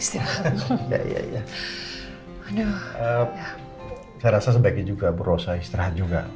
saya rasa sebaiknya juga ber suhaillah istirahat juga